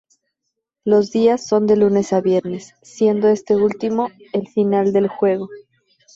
Los días son de lunes a viernes, siendo este último el final del juego.